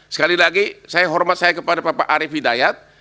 sekali lagi saya hormat saya kepada bapak arief hidayat